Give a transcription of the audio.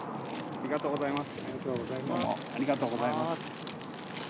ありがとうございます。